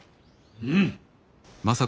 うん。